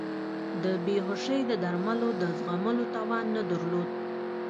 د بیهوشۍ د درملو د زغملو توان نه درلود.